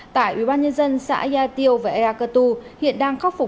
tại ubnd xã yai tiêu và ea cơ tu